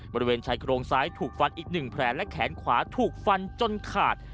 บริเวณชายโครงซ้ายถูกฟันอีก๑แผลและแขนขวาถูกฟันจนขาด